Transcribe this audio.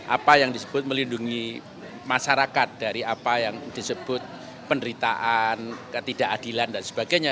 apa yang disebut melindungi masyarakat dari apa yang disebut penderitaan ketidakadilan dan sebagainya